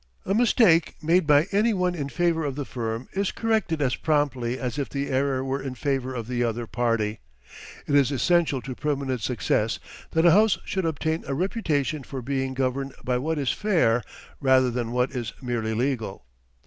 A mistake made by any one in favor of the firm is corrected as promptly as if the error were in favor of the other party. It is essential to permanent success that a house should obtain a reputation for being governed by what is fair rather than what is merely legal.